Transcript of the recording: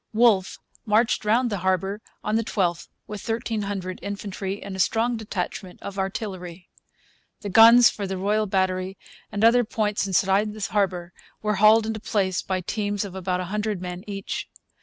Wolfe marched round the harbour on the 12th with 1,300 infantry and a strong detachment of artillery. The guns for the Royal Battery and other points inside the harbour were hauled into place by teams of about a hundred men each.